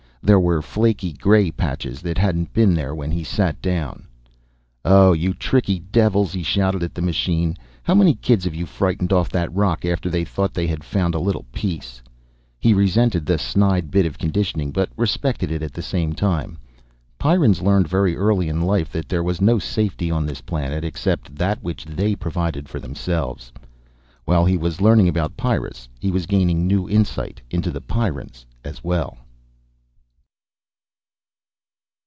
There were flaky gray patches that hadn't been there when he sat down. "Oh you tricky devils!" he shouted at the machine. "How many kids have you frightened off that rock after they thought they had found a little peace!" He resented the snide bit of conditioning, but respected it at the same time. Pyrrans learned very early in life that there was no safety on this planet except that which they provided for themselves. While he was learning about Pyrrus he was gaining new insight into the Pyrrans as well.